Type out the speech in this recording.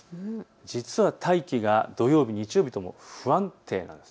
実は大気が土曜日、日曜日とも不安定なんです。